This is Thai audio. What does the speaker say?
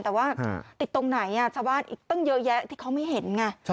แต่ว่าติดตรงไหนชาวบ้านอีกตั้งเยอะแยะที่เขาไม่เห็นไง